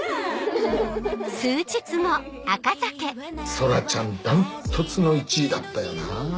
空ちゃん断トツの１位だったよなぁ。